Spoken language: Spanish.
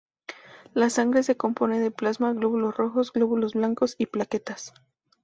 La sangre se compone de plasma, glóbulos rojos, glóbulos blancos y plaquetas.